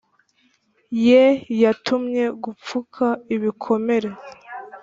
Ye Yantumye gupfuka ibikomere